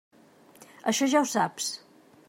Això ja ho saps.